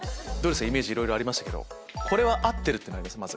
イメージいろいろありましたけどこれは合ってるってあります？